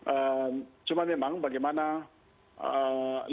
eee cuma memang bagaimana